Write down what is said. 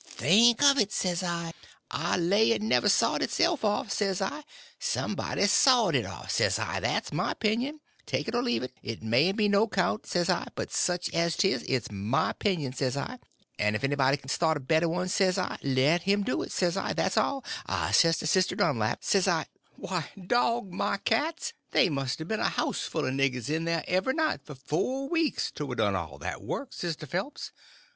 think of it, s'I? I lay it never sawed itself off, s'I—somebody sawed it, s'I; that's my opinion, take it or leave it, it mayn't be no 'count, s'I, but sich as 't is, it's my opinion, s'I, 'n' if any body k'n start a better one, s'I, let him do it, s'I, that's all. I says to Sister Dunlap, s'I—" "Why, dog my cats, they must a ben a house full o' niggers in there every night for four weeks to a done all that work, Sister Phelps.